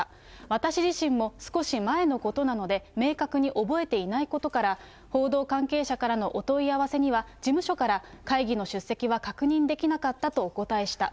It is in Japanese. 私自身も少し前のことなので、明確に覚えていないことから、報道関係者からのお問い合わせには、事務所から、会議の出席は確認できなかったとお答えした。